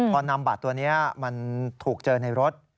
พอนำบัตรตัวนี้มันถูกเจอในรถ